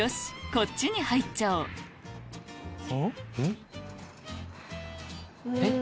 こっちに入っちゃおうえっ？